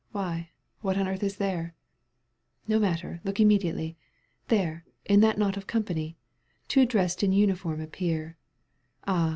Why, what on earth is there?"— " No matter, look immediately. There, in that knot of company, Two dressed in uniform appear — Ah